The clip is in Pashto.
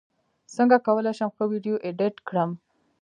څنګه کولی شم ښه ویډیو ایډیټ کړم